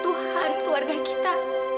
tuhan keluarga kita